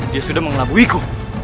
dia sudah mengelabui ku